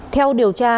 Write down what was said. theo điều tra